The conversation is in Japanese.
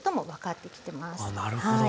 なるほど。